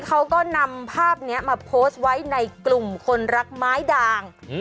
เขาก็นำภาพนี้มาโพสต์ไว้ในกลุ่มคนรักไม้ด่าง